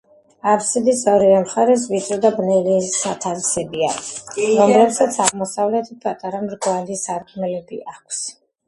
აფსიდის ორივე მხარეს ვიწრო და ბნელი სათავსებია, რომლებსაც აღმოსავლეთით პატარა მრგვალი სარკმლები აქვს.